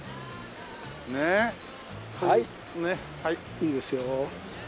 いいですよー。